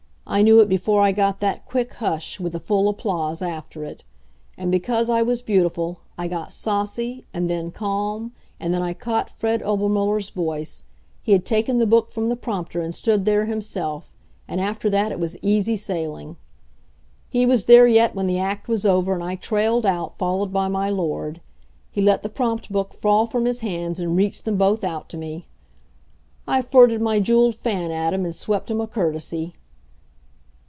I knew it before I got that quick hush, with the full applause after it. And because I was beautiful, I got saucy, and then calm, and then I caught Fred Obermuller's voice he had taken the book from the prompter and stood there himself and after that it was easy sailing. He was there yet when the act was over, and I trailed out, followed by my Lord. He let the prompt book fall from his hands and reached them both out to me. I flirted my jeweled fan at him and swept him a courtesy.